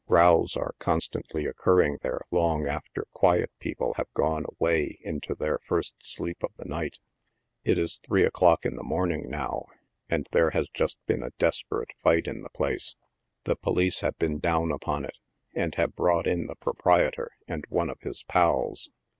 Rows are constantly occurring there long after quiet people have gone away into their first sleep of the night. It is three o'clock in the morning, now, and there has just been a desperate fight in the place. '1 he police have been down upon it, and have brought in the proprietor and one of his " pals."